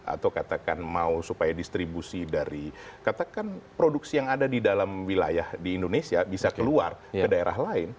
atau katakan mau supaya distribusi dari katakan produksi yang ada di dalam wilayah di indonesia bisa keluar ke daerah lain